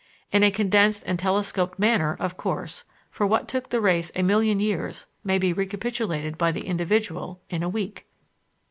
In a condensed and telescoped manner, of course, for what took the race a million years may be recapitulated by the individual in a week!